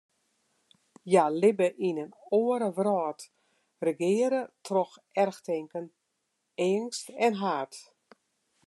Hja libbe yn in oare wrâld, regearre troch erchtinken, eangst en haat.